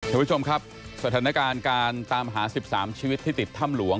คุณผู้ชมครับสถานการณ์การตามหา๑๓ชีวิตที่ติดถ้ำหลวง